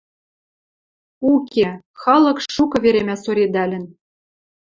— уке, халык шукы веремӓ соредӓлӹн.